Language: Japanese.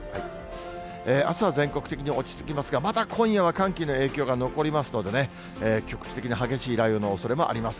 あすは全国的に落ち着きますが、まだ今夜は寒気の影響が残りますのでね、局地的に激しい雷雨のおそれもあります。